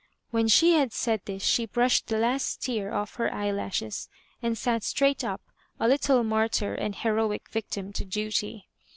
When she had said this she brushed the last tear off her eyelashes, and sat straight up, a little martyr and heiXHO victim to duty.